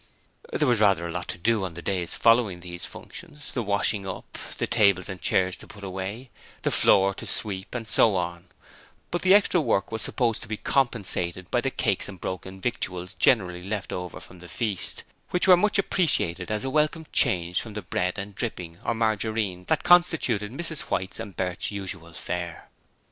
There was rather a lot to do on the days following these functions: the washing up, the tables and chairs to put away, the floor to sweep, and so on; but the extra work was supposed to be compensated by the cakes and broken victuals generally left over from the feast, which were much appreciated as a welcome change from the bread and dripping or margarine that constituted Mrs White's and Bert's usual fare.